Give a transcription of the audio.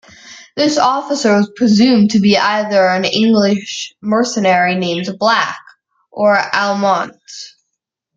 This officer was presumed to be either an English mercenary named Black, or Almonte.